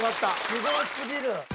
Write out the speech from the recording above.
すごすぎる。